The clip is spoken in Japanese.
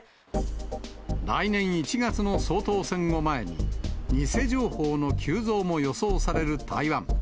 来年１月の総統選を前に、偽情報の急増も予想される台湾。